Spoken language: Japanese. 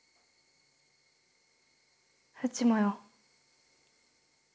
うちもよ。